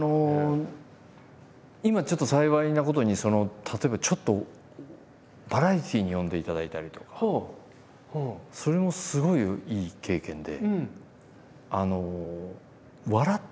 今ちょっと幸いなことに例えばちょっとバラエティーに呼んでいただいたりとかそれもすごいいい経験で。